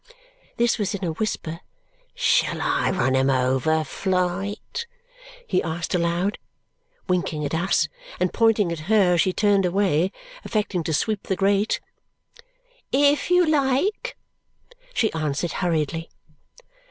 This was in a whisper. "Shall I run 'em over, Flite?" he asked aloud, winking at us and pointing at her as she turned away, affecting to sweep the grate. "If you like," she answered hurriedly.